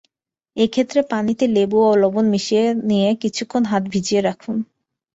এ ক্ষেত্রে পানিতে লেবু ও লবণ মিশিয়ে নিয়ে কিছুক্ষণ হাত ভিজিয়ে রাখুন।